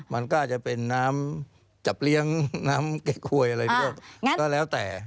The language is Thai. มันก็อาจจะเป็นน้ำจับเลี้ยงน้ำเก็บหวยอะไรด้วยก็แล้วแต่